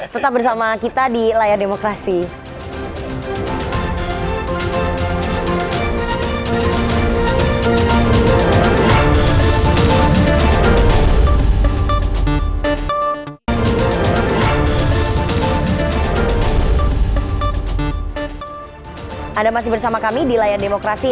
tetap bersama kita di layar demokrasi